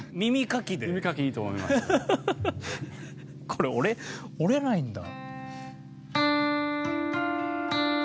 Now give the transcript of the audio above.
これ折れないんだ。